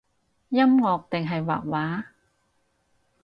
音樂定係畫畫？